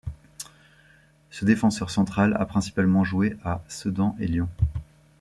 Ce défenseur central a principalement joué à Sedan et Lyon.